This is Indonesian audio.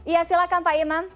ya silakan pak imam